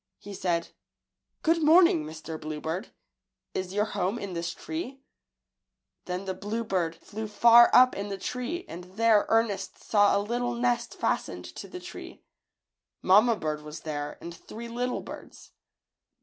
He said, "Good morning, Mr. Bluebird, is your home in this tree?" Then the bluebird flew far up in the tree, and there Ernest saw a little nest fastened to the tree. Mamma bird was there and three little birds.